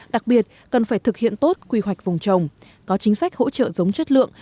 đặc biệt cần phải thực hiện tốt quy hoạch vùng trồng có chính sách hỗ trợ giống chất lượng